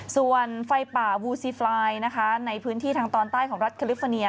ส่วนไฟป่าวูซีฟลายนะคะในพื้นที่ทางตอนใต้ของรัฐแคลิฟอร์เนีย